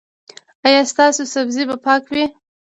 ایا ستاسو سبزي به پاکه وي؟